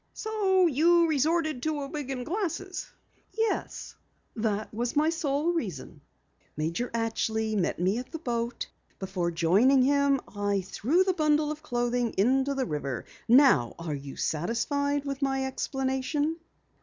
"So you resorted to the wig and glasses?" "Yes, that was my sole reason. Major Atchley met me at the boat. Before joining him I threw the bundle of clothing into the river. Now are you satisfied with my explanation?"